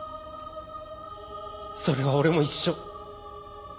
それは俺も一緒。